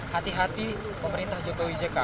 hati hati pemerintah jokowi jk